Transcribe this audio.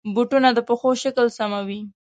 بوټونه د پښو شکل سموي.